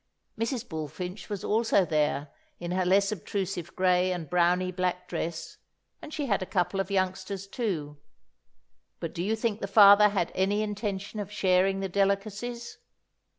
Mrs. Bullfinch was also there, in her less obtrusive grey and browny black dress, and she had a couple of youngsters too. But do you think the father had any intention of sharing the delicacies?